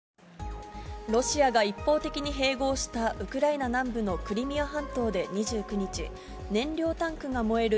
ロシアが一方的に併合したウクライナ南部のクリミア半島で２９日、燃料タンクが燃える